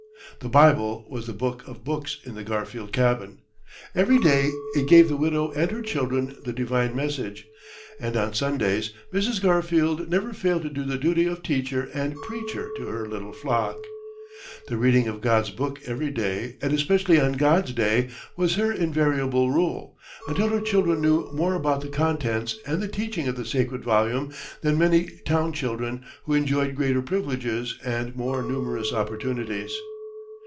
The Bible was the Book of books in the Garfield cabin. Every day it gave the widow and her children the Divine message, and on Sundays Mrs. Garfield never failed to do the duty of teacher and preacher to her little flock. The reading of God's book every day, and especially on God's day, was her invariable rule, until her children knew more about the contents and the teaching of the sacred volume, than many town children who enjoyed greater privileges and more numerous opportunities.